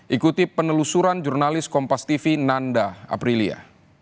ikuti penelusuran jurnalis kompas tv nanda aprilia